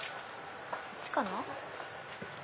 こっちかな。